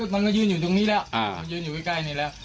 มันก็ยืนอยู่ตรงนี้แล้วมันยืนอยู่ใกล้นี่แล้ว